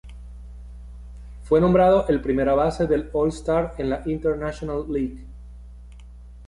Fue nombrado el primera base del All-Star en la International League.